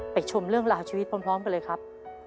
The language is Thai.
ชมเรื่องราวชีวิตพร้อมกันเลยครับ